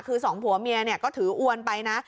คือสองผัวเมียก็ถืออวนไปนะ